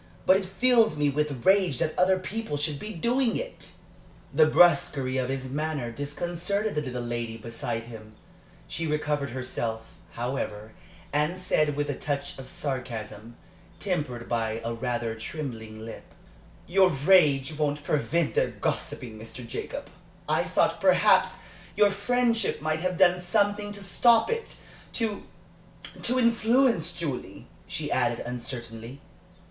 But it fills me with rage that other people should be doing it." The brusquerie of his manner disconcerted the little lady beside him. She recovered herself, however, and said, with a touch of sarcasm, tempered by a rather trembling lip: "Your rage won't prevent their gossiping, Mr. Jacob, I thought, perhaps, your friendship might have done something to stop it to to influence Julie," she added, uncertainly.